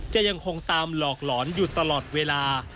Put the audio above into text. จะยังคงตามหลอกหลอนอยู่ตลอดเวลา